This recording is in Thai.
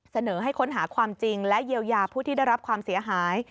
เสนอให้ค้นหาความจริงและเยียวยาผู้ที่ได้รับความเสียหาย